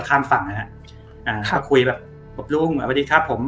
ข้ามฝั่งถ้าคุยบอกลุ้งสวัสดีครับผม